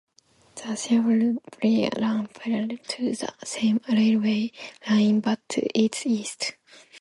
The Sahyadris proper run parallel to the same railway line, but to its east.